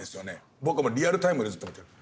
僕はリアルタイムでずっと見てる。